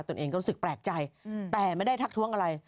ตัวเองก็รู้สึกแปลกใจแต่ไม่ได้ทักท้วงอะไร